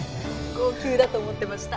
号泣だと思ってました。